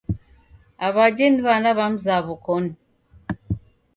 Aw'ajhe ni w'ana w'a mzaw'o koni